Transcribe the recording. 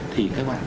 thì các bạn